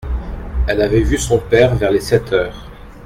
Elle avait vu son père vers les sept heures.